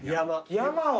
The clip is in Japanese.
山を。